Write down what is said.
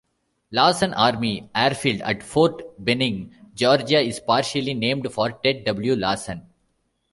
Lawson Army Airfield at Fort Benning, Georgia is partially named for Ted W. Lawson.